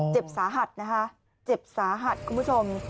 เจ็บสาหัสนะคะเจ็บสาหัสคุณผู้ชม